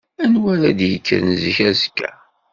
Anwa ara d-yekkren zik azekka?